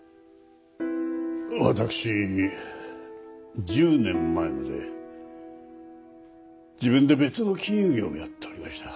わたくし１０年前まで自分で別の金融業をやっておりました。